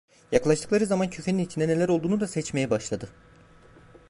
Yaklaştıkları zaman küfenin içinde neler olduğunu da seçmeye başladı.